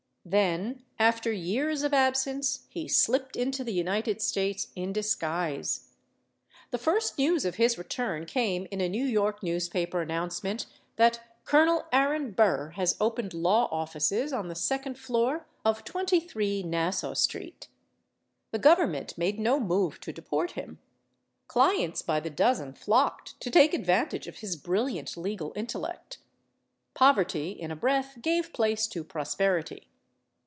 Then, after years of absence, he slipped into the United States in disguise. The first news of his return came in a New York newspaper announcement that "Colonel Aaron Burr has opened law offices on the second floor of 23 Nassau Street." The government made no move to deport him. Clients by the dozen flocked to take advantage of his brilliant legal intellect. Poverty, in a breath, gave place to prosperity.